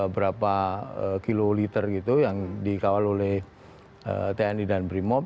berapa kiloliter gitu yang dikawal oleh tni dan brimop